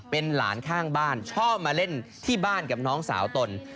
เป็นหลานข้างบ้านชอบมาเล่นที่บ้านกับน้องสาวตน